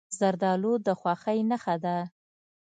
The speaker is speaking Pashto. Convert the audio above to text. زردالو د خوښۍ نښه ده.